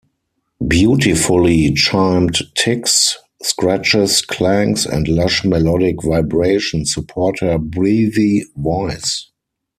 Beautifully chimed ticks, scratches, clangs and lush melodic vibrations support her breathy voice.